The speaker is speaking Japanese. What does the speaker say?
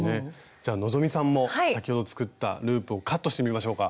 じゃあ希さんも先ほど作ったループをカットしてみましょうか。